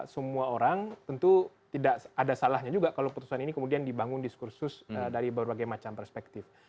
semua orang tentu tidak ada salahnya juga kalau putusan ini kemudian dibangun diskursus dari berbagai macam perspektif